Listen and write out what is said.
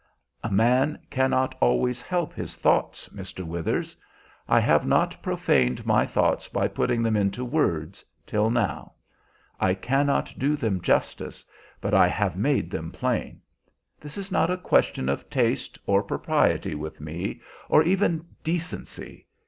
"A man cannot always help his thoughts, Mr. Withers. I have not profaned my thoughts by putting them into words, till now. I cannot do them justice, but I have made them plain. This is not a question of taste or propriety with me, or even decency.